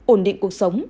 ổn định cuộc sống